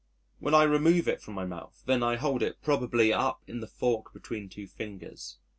When I remove it from my mouth then I hold it probably up in the fork between two fingers.